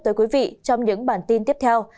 tới quý vị trong những bản tin tiếp theo